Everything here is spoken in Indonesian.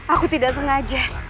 aku tidak sengaja